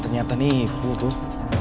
ternyata nih ibu tuh